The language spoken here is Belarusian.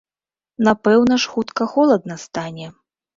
Напэўна ж, хутка холадна стане?